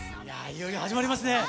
いよいよ始まりますね。